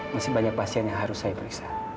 masih banyak pasien yang harus saya periksa